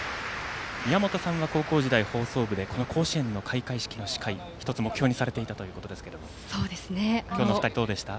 宮本さんは高校時代、放送部でこの甲子園の開会式の司会１つ、目標にされていたということですがこのお二人、どうでした？